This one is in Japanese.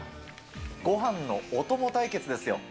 ごはんのお供対決ですよ。